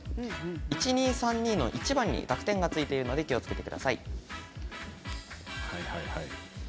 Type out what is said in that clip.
１番に濁点が付いているので、気をつけてください。